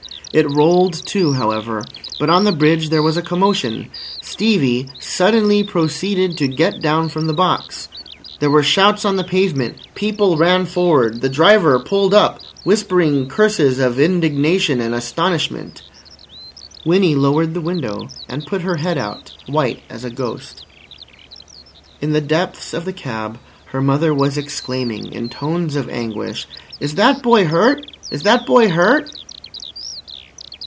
It rolled too, however. But on the bridge there was a commotion. Stevie suddenly proceeded to get down from the box. There were shouts on the pavement, people ran forward, the driver pulled up, whispering curses of indignation and astonishment. Winnie lowered the window, and put her head out, white as a ghost. In the depths of the cab, her mother was exclaiming, in tones of anguish: "Is that boy hurt? Is that boy hurt?"